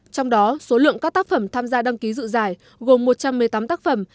trong đó số lượng các tác phẩm tham gia đăng ký dự giải gồm một trăm một mươi tám tác phẩm